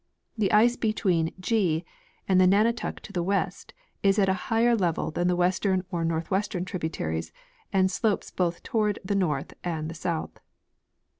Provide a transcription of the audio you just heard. The ice between G and the nunatak to the west is at a higher level than the western or northwestern tributaries and slopes both toward the north and the south.